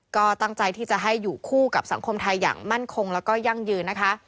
ก็ตั้งใจที่จะให้อยู่คู่กับสังคมไทยอย่างมั่นคงแล้วก็ยั่งยืนนะคะ